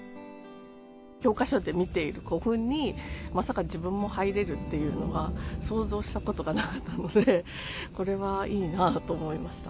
教科書で見ている古墳に、まさか自分も入れるっていうのは、想像したことがなかったので、これはいいなと思いました。